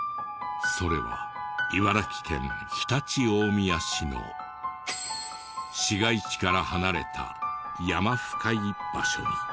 それは茨城県常陸大宮市の市街地から離れた山深い場所に。